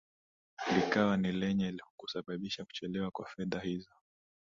likawa ni lenye kusababisha kuchelewa kwa fedha hizo